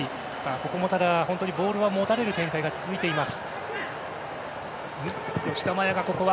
ここもボールを持たれる展開が続いています。